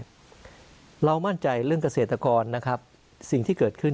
เรามั่นใจเรื่องเกิดขอเรามาใจเรื่องเกษตรกรนะครับสิ่งที่เกิดขึ้น